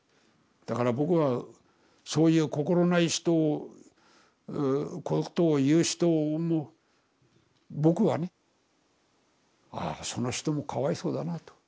だから僕はそういう心ない人をことを言う人も僕はね「ああその人もかわいそうだな」と。